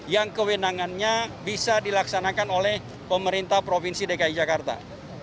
yang kewenangannya bisa dilaksanakan oleh pemerintah provinsi dki jakarta